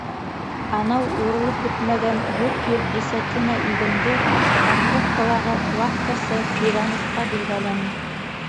Анау урылып бөтмәгән дүрт йөҙ десятина игенде Покровкалағы лавкасы Ивановҡа билдәләнем.